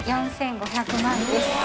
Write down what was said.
４５００万です。